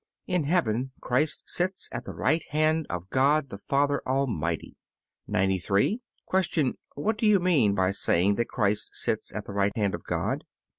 In heaven Christ sits at the right hand of God the Father Almighty. 93. Q. What do you mean by saying that Christ sits at the right hand Of God?